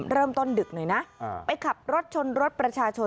เริ่มต้นดึกหน่อยนะไปขับรถชนรถประชาชน